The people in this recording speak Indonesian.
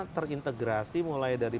terintegrasi mulai dari